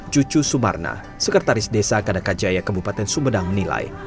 cucu sumarna sekretaris desa kadakajaya kebupaten sumedang menilai